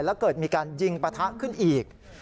แล้วเกิดมีการยิงปะทะขึ้นอีก